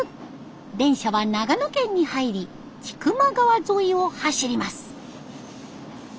電車は長野県に入り千曲川沿いを走ります。